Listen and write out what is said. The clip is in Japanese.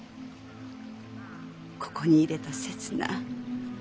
ここに入れた刹那